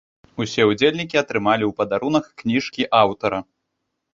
Усе ўдзельнікі атрымалі ў падарунак кніжкі аўтара.